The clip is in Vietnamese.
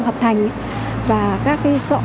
hợp thành và các cái